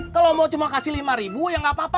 kalau mau cuma kasih lima ribu ya nggak apa apa